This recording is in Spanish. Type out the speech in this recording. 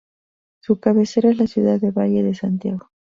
Su cabecera es la ciudad de Valle de Santiago.